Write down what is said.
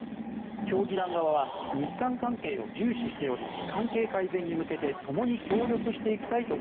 協議団側は日韓関係を重視しており関係改善に向けてともに協力していきたいと